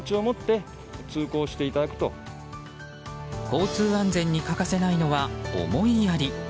交通安全に欠かせないのは思いやり。